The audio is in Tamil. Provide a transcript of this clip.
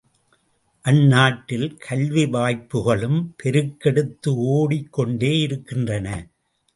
அந்நாட்டில் கல்வி வாய்ப்புக்களும் பெருக்கெடுத்து ஒடிக் கொண்டேயிருக்கின்றன.